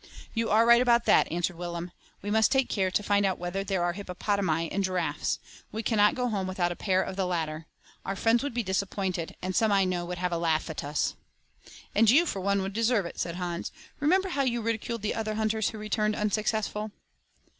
"You are right about that," answered Willem; "we must take care to find out whether there are hippopotami and giraffes. We cannot go home without a pair of the latter. Our friends would be disappointed, and some I know would have a laugh at us." "And you for one would deserve it," said Hans. "Remember how you ridiculed the other hunters who returned unsuccessful."